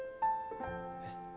えっ？